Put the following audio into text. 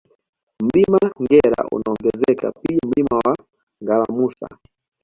Mlima Ngera unaongezeka pia Mlima wa Ngalamusa